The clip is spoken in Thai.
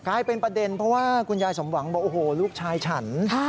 กลายเป็นประเด็นเพราะว่าคุณยายสมหวังบอกโอ้โหลูกชายฉัน